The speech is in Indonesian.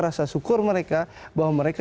rasa syukur mereka bahwa mereka